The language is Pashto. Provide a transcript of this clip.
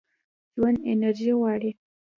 ژوند انرژي غواړي.